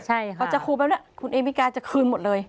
ใช่ค่ะเขาจะครูแบบนี้คุณเอมิกาจะขึ้นหมดเลย